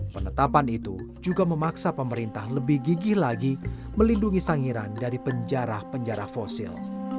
penetapan itu juga memaksa pemerintah lebih gigih lagi melindungi sangiran dari penjara penjara fosil